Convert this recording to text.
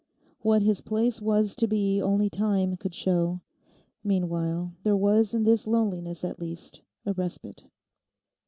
What his place was to be only time could show. Meanwhile there was in this loneliness at least a respite.